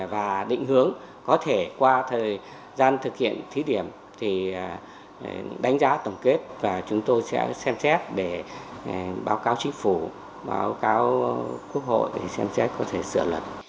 và định hướng có thể qua thời gian thực hiện thí điểm thì đánh giá tổng kết và chúng tôi sẽ xem xét để báo cáo chính phủ báo cáo quốc hội để xem xét có thể sửa luật